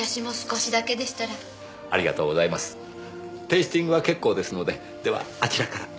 テイスティングは結構ですのでではあちらから。